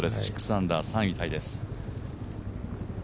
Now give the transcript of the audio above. ６アンダー、３位タイです。